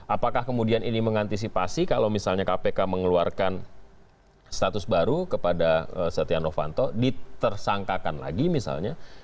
apakah kemudian ini mengantisipasi kalau misalnya kpk mengeluarkan status baru kepada setia novanto ditersangkakan lagi misalnya